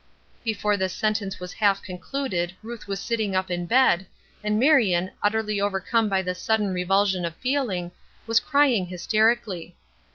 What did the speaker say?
Before this sentence was half concluded Ruth was sitting up in bed, and Marion, utterly overcome by this sudden revulsion of feeling, was crying hysterically.